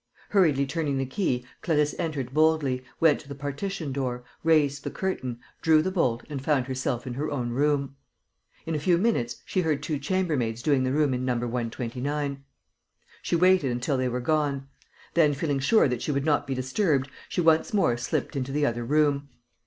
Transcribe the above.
Hurriedly turning the key, Clarisse entered boldly, went to the partition door, raised the curtain, drew the bolt and found herself in her own room. In a few minutes, she heard two chambermaids doing the room in No. 129. She waited until they were gone. Then, feeling sure that she would not be disturbed, she once more slipped into the other room.